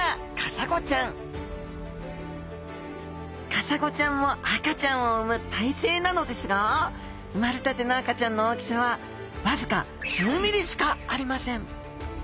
カサゴちゃんも赤ちゃんを産む胎生なのですが生まれたての赤ちゃんの大きさは僅か数ｍｍしかありません